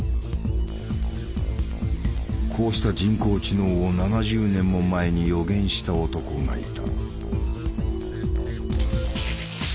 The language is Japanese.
こうした人工知能を７０年も前に予言した男がいた。